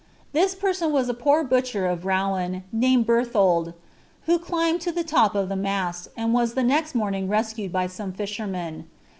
This person was a poor butcher of BOHCfii naitipd Bcrthould, who climbed lo the lop of the niasl, aticl nu ■ke aext morning rescued by some lishermen.